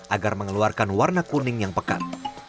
agar mengeluarkan warna kuning yang pekat